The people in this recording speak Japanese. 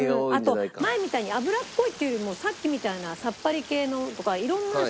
あと前みたいに脂っこいっていうよりもさっきみたいなさっぱり系のとか色んな種類が出てきてるから。